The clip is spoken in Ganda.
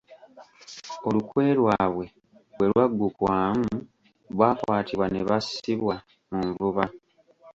Olukwe lwabwe bwe lwaggukwamu, baakwatibwa ne bassibwa mu nvuba.